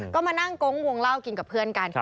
ก็มานั่งโก๊งวงเล่ากินกับเพื่อนกัน